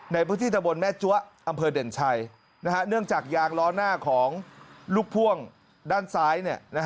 ในพื้นที่ตะบนแม่จั๊วอำเภอเด่นชัยเนื่องจากยางล้อหน้าของลูกพ่วงด้านซ้าย